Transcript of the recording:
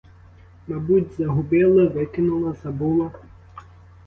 Мабуть, загубила, викинула, забула?